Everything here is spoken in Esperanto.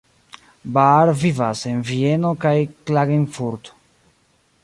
Baar vivas en Vieno kaj Klagenfurt.